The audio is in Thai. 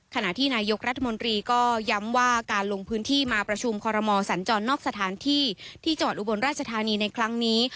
ขณะที่นายกรัฐมนตรีก็ย้ำว่าการลงพื้นที่มาประชุมคอรมอสัญจรนอกสถานที่ที่จังหวัดอุบลราชธานีในครั้งนี้